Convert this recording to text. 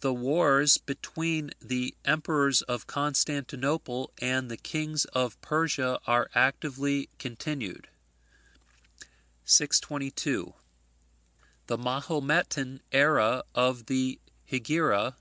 The wars between the Emperors of Constantinople and the Kings of Persia are actively continued. 622. The Mahometan era of the Hegira.